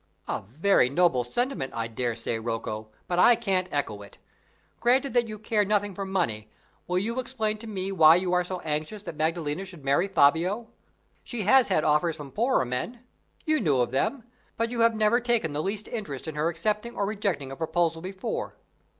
"A very noble sentiment, I dare say, Rocco, but I can't echo it. Granting that you care nothing for money, will you explain to me why you are so anxious that Maddalena should marry Fabio? She has had offers from poorer men you knew of them but you have never taken the least interest in her accepting or rejecting a proposal before."